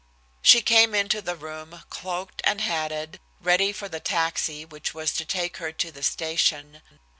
She came into the room, cloaked and hatted, ready for the taxi which was to take her to the station.